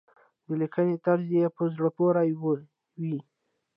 د لیکنې طرز يې په زړه پورې وي.